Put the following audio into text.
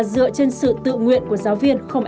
dựa trên sự tự nguyện của giáo viên không